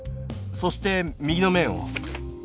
そして右の面を。